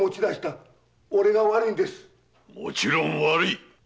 もちろん悪い！